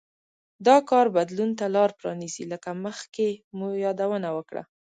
دا کار بدلون ته لار پرانېزي لکه مخکې مو یادونه وکړه